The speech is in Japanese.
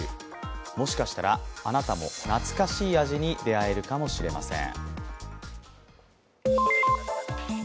もしかしたら、あなたも懐かしい味に出会えるかもしれません。